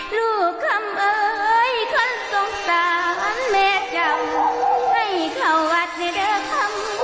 ลูกคำเอ๋ยคนต้องตามแม่จำให้เข้าวัดเจอคำ